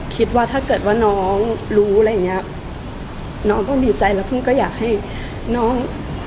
คิดว่าถ้าเกิดว่าน้องรู้อะไรอย่างเงี้ยน้องต้องดีใจแล้วพึ่งก็อยากให้น้อง